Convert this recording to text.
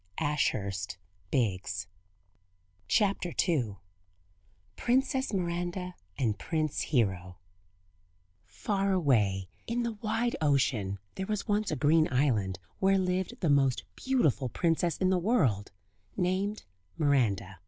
[Illustration: THROUGH THE TELESCOPE] PRINCESS MIRANDA AND PRINCE HERO Far away, in the wide ocean there was once a green island where lived the most beautiful princess in the world, named Miranda.